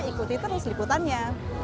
ikuti terus liputannya